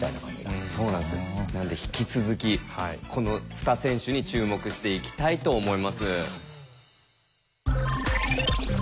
なので引き続きこの２選手に注目していきたいと思います。